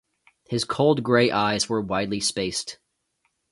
His cold grey eyes were widely spaced.